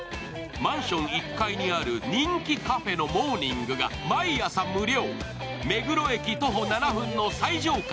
マンション１階にある人気カフェのモーニングが毎朝無料。